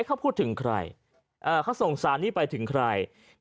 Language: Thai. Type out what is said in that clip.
เขาพูดถึงใครเขาส่งสารนี้ไปถึงใคร